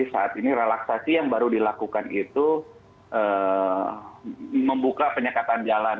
jadi saat ini relaksasi yang baru dilakukan itu membuka penyekatan jalan